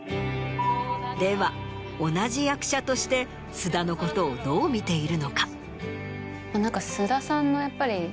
では同じ役者として菅田のことをどう見ているのか。